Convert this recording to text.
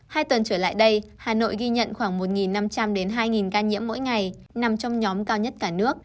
hai tuần trở lại đây hà nội ghi nhận khoảng một năm trăm linh hai ca nhiễm mỗi ngày nằm trong nhóm cao nhất cả nước